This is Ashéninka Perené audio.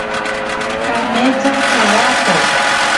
Kametsa tsarato.